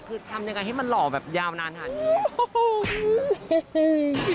คือทำยังไงให้มันหล่อแบบยาวนานขนาดนี้